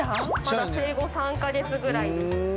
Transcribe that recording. まだ生後３カ月ぐらいです。